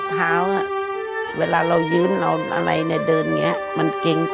เพราะว่าเวลาเรายืนอะไรเดินอย่างนี้มันเก่ง